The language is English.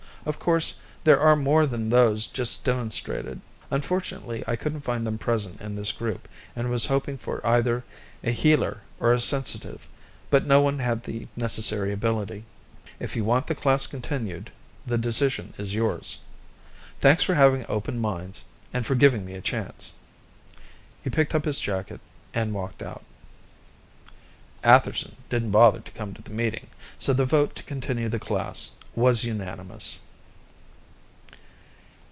Of course, there are more than those just demonstrated. Unfortunately, I couldn't find them present in this group. I was hoping for either a healer or a sensitive, but no one had the necessary ability. "If you want the class continued, the decision is yours. Thanks for having open minds, and for giving me a chance." He picked up his jacket and walked out. Atherson didn't bother to come to the meeting, so the vote to continue the class was unanimous.